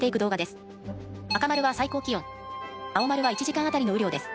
赤丸は最高気温青丸は１時間あたりの雨量です。